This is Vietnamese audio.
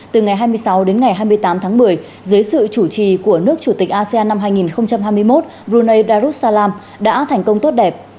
từ ngày hai mươi sáu đến ngày hai mươi tám tháng một mươi dưới sự chủ trì của nước chủ tịch asean năm hai nghìn hai mươi một brunei darussalam đã thành công tốt đẹp